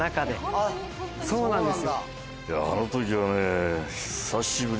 あっそうなんだ。